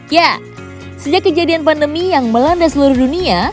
ya sejak kejadian pandemi yang melanda seluruh dunia